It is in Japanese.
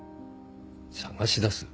捜し出す？